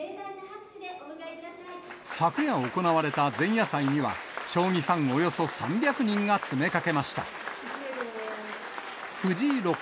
昨夜行われた前夜祭には、将棋ファンおよそ３００人が詰めかけました。